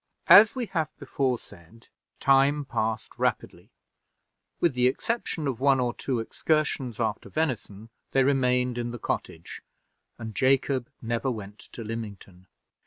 As we have before said, time passed rapidly; with the exception of one or two excursions after venison, they remained in the cottage, and Jacob never went to Lymington.